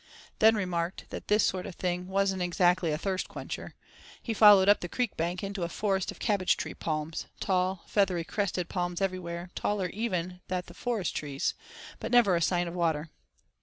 '" Then remarking that "this sort of thing" wasn't "exactly a thirst quencher," he followed up the creek bank into a forest of cabbage tree palms—tall, feathery crested palms everywhere, taller even that the forest trees; but never a sign of water.